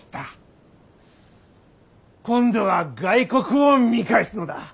今度は外国を見返すのだ。